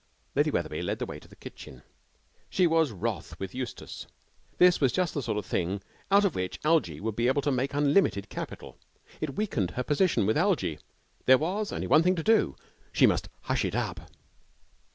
Lady Wetherby led the way to the kitchen. She was wroth with Eustace. This was just the sort of thing out of which Algie would be able to make unlimited capital. It weakened her position with Algie. There was only one thing to do she must hush it up.